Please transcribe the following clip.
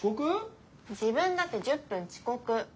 自分だって１０分遅刻。